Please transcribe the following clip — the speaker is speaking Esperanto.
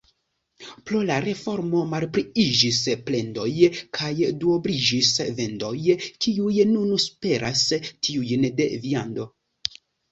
Pro la reformo malpliiĝis plendoj kaj duobliĝis vendoj, kiuj nun superas tiujn de viando.